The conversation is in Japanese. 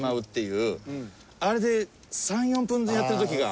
あれで３４分やってる時が。